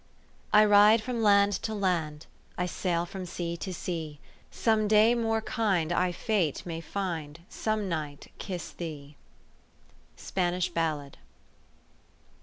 I ride from land to land, I sail from sea to sea, Some day more kind I fate may find, Some night kiss thee. "SPANISH BALLAD.